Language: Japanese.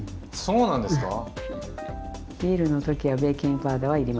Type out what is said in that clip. そうなんですか？